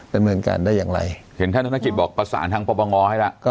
ไปเมื่อการได้อย่างไรเห็นท่านธนกฤษบอกประสานทางประปังงอให้ล่ะ